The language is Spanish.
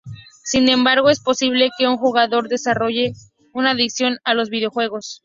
Sin embargo, es posible que un jugador desarrolle una adicción a los videojuegos.